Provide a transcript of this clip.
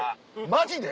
マジで？